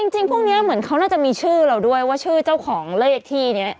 จริงพวกนี้เหมือนเขาน่าจะมีชื่อเราด้วยว่าชื่อเจ้าของเลขที่นี้